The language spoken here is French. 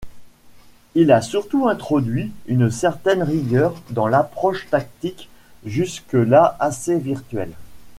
Il a surtout introduit une certaine rigueur dans l'approche tactique, jusque-là assez virtuelle.